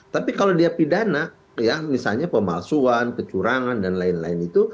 tapi kalau dia pidana ya misalnya pemalsuan kecurangan dan lain lain itu